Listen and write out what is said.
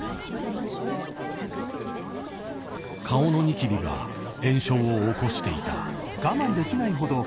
顔のニキビが炎症を起こしていた。